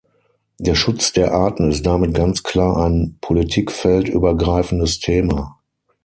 Der Schutz der Arten ist damit ganz klar ein politikfeldübergreifendes Thema.